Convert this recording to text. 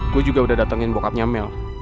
gue juga udah datengin bokapnya mel